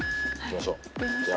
いきましょう。